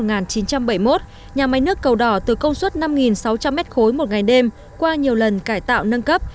nhà máy nước cầu đỏ từ công suất năm sáu trăm linh m ba một ngày đêm qua nhiều lần cải tạo nâng cấp